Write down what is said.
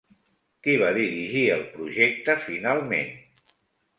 Qui va dirigir el projecte finalment?